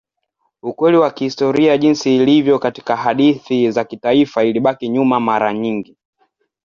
Ukweli wa kihistoria jinsi ilivyo katika hadithi za kitaifa ilibaki nyuma mara nyingi.